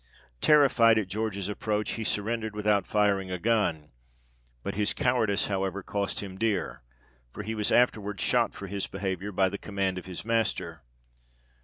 Terrified at George's approach, he surrendered without firing a gun ; but his cowardice however cost him dear, for he was afterwards shot for his behaviour, by the command of his master.